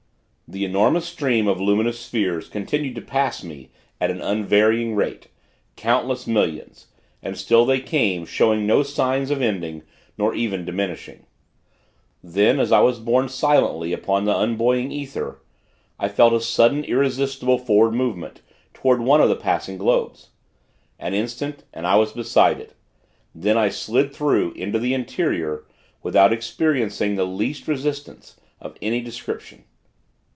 The enormous stream of luminous spheres continued to pass me, at an unvarying rate countless millions; and still they came, showing no signs of ending, nor even diminishing. Then, as I was borne, silently, upon the unbuoying ether, I felt a sudden, irresistible, forward movement, toward one of the passing globes. An instant, and I was beside it. Then, I slid through, into the interior, without experiencing the least resistance, of any description.